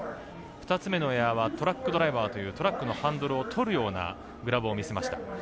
２つ目のエアはトラックドライバーというトラックのハンドルをとるようなグラブを見せました。